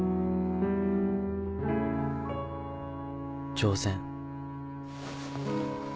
挑戦。